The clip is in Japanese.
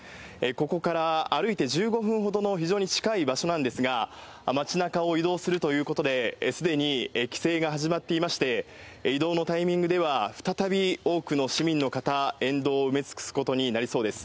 ここから歩いて１５分ほどの非常に近い場所なんですが、街なかを移動するということで、すでに規制が始まっていまして、移動のタイミングでは、再び多くの市民の方、沿道を埋め尽くすことになりそうです。